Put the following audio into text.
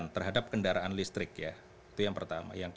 terhadap kendaraan listrik ya itu yang pertama